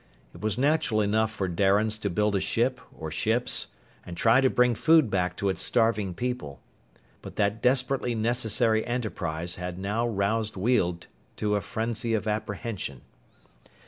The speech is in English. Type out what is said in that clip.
It was natural enough for Darians to build a ship or ships and try to bring food back to its starving people. But that desperately necessary enterprise had now roused Weald to a frenzy of apprehension.